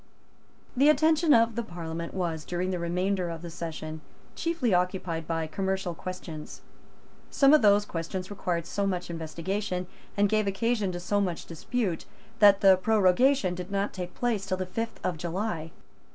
The attention of the Parliament was, during the remainder of the session, chiefly occupied by commercial questions. Some of those questions required so much investigation, and gave occasion to so much dispute, that the prorogation did not take place till the fifth of July.